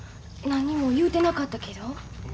何も言うてなかったけど。